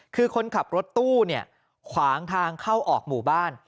คือคนขับรถตู้เนี่ยขวางทางเข้าออกหมู่บ้าน